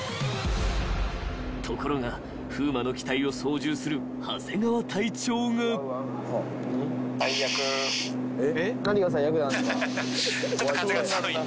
［ところが風磨の機体を操縦する長谷川隊長が］やめますので。